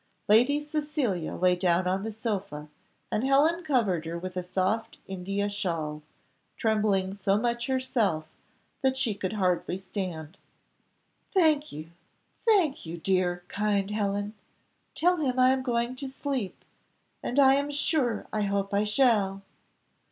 Lady Cecilia lay down on the sofa, and Helen covered her with a soft India shawl, trembling so much herself that she could hardly stand. "Thank you, thank you, dear, kind Helen; tell him I am going to sleep, and I am sure I hope I shall."